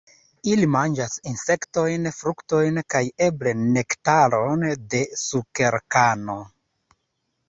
Ili manĝas insektojn, fruktojn kaj eble nektaron de sukerkano.